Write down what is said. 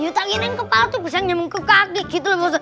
ya tadi ini kepala tuh bisa nyambung ke kaki gitu lho